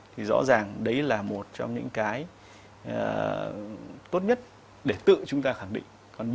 thì rõ ràng đấy là một trong những cái tốt nhất để tự chúng ta khẳng định